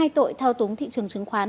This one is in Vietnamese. hai tội thao túng thị trường chứng khoán